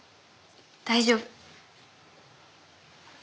大丈夫。